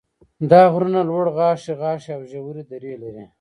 دا غرونه لوړ غاښي غاښي او ژورې درې لري.